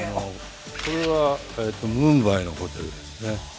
これはムンバイのホテルですね。